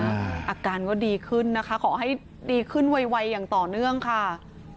อาการก็ดีขึ้นนะคะขอให้ดีขึ้นไวอย่างต่อเนื่องค่ะ